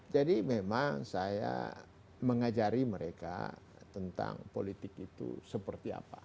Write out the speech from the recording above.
jadi memang saya mengajari mereka tentang politik itu seperti apa